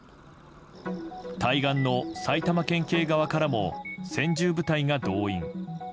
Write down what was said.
対岸の埼玉県警側からも専従部隊が動員。